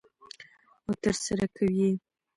او ترسره کوي یې.